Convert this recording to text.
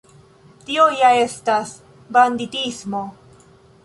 Tio ja estas banditismo!